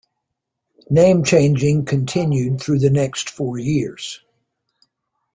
Name changing continued through next four years.